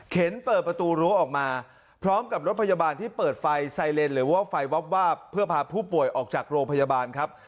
เปิดประตูรั้วออกมาพร้อมกับรถพยาบาลที่เปิดไฟไซเลนหรือว่าไฟวาบเพื่อพาผู้ป่วยออกจากโรงพยาบาลครับ